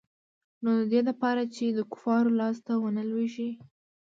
نو د دې د پاره چې د کفارو لاس ته ونه لوېږي.